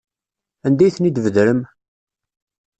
Anda ay ten-id-tbedrem?